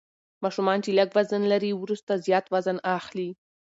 ماشومان چې لږ وزن لري وروسته زیات وزن اخلي.